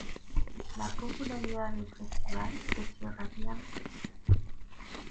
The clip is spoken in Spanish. La popularidad del Festival creció rápidamente.